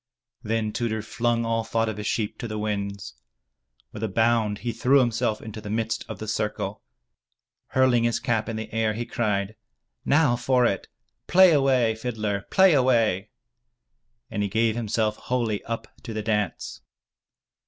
Then Tudur flung all thought of his sheep to the winds. With a bound he threw himself into the midst of the circle. Hurling his cap in the air, he cried, "Now for it! Play away, fiddler ! Play away !*' And he gave himself wholly up to the dance.